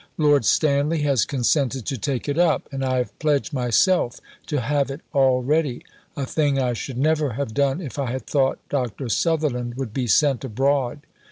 Lord Stanley has consented to take it up. And I have pledged myself to have it all ready a thing I should never have done if I had thought Dr. Sutherland would be sent abroad.